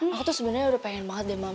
aku tuh sebenernya udah pengen banget deh mam